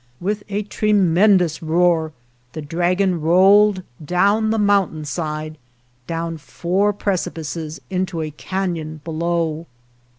With a tremendous roar the dragon rolled down the mountain side — down four precipices into a canon below.